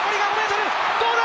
どうだ？